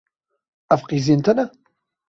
Ev qîzên te ne?